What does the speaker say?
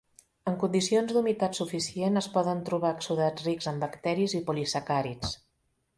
En condicions d'humitat suficient es poden trobar exsudats rics en bacteris i polisacàrids.